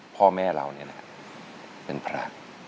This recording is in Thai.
พ่อแม่เราเป็นพระ